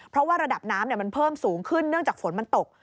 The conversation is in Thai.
เพราะว่าระดับน้ำมันเพิ่มสูงขึ้นเนื่องจากฝนมันตก